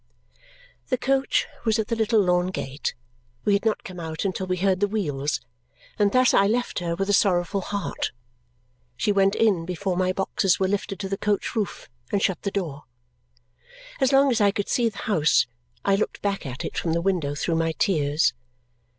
The coach was at the little lawn gate we had not come out until we heard the wheels and thus I left her, with a sorrowful heart. She went in before my boxes were lifted to the coach roof and shut the door. As long as I could see the house, I looked back at it from the window through my tears.